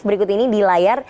berikut ini di layar